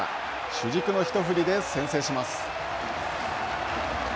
主軸の一振りで先制します。